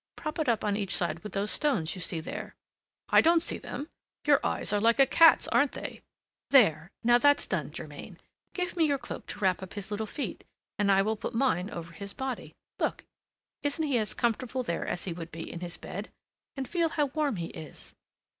Prop it up on each side with those stones you see there." "I don't see them! Your eyes are like a cat's, aren't they?" "There! now that's done, Germain! Give me your cloak to wrap up his little feet, and I'll put mine over his body. Look! isn't he as comfortable there as he would be in his bed? and feel how warm he is!"